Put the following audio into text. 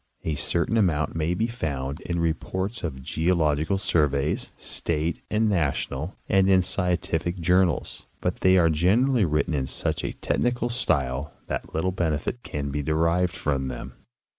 A certain amount may be found in reports of geological surveys, state and national, and in scien tific journals, but they are generally written in such a technical style that little benefit can be derived from them.